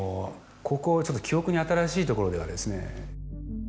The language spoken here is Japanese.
ここちょっと記憶に新しいところではですね。